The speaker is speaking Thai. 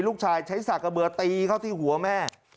ลูกชายใช้ศักดิ์เบลอตีเขาที่หัวแม่